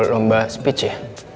lomba speech ya